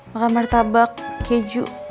makan martabak keju